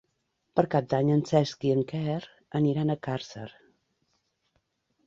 Per Cap d'Any en Cesc i en Quer aniran a Càrcer.